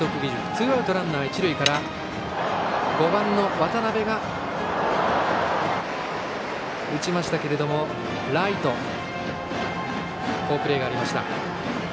ツーアウトランナー、一塁から５番の池邉が打ちましたけれどもライトの好プレーがありました。